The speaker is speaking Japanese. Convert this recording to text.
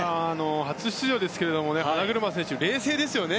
初出場ですけど花車選手冷静ですね。